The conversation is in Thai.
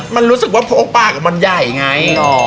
มันรู้สึกว่าโพกปากกับมันใหญ่ไง